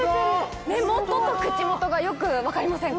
目元と口元がよく分かりませんか？